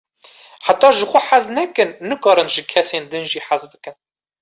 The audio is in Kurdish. Heta ji xwe hez nekin, nikarin ji kesên din jî hez bikin.